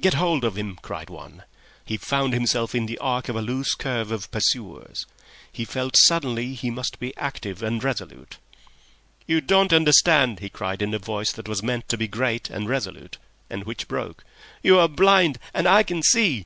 "Get hold of him!" cried one. He found himself in the arc of a loose curve of pursuers. He felt suddenly he must be active and resolute. "You don't understand," he cried, in a voice that was meant to be great and resolute, and which broke. "You are blind and I can see.